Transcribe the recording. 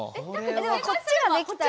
でもこっちができたら。